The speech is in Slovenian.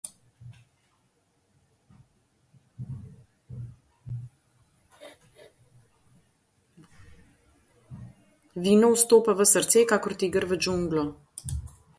Vino vstopa v srce kakor tiger v džunglo.